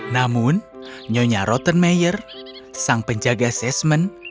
namun nyonya rottenmeier sang penjaga sesmen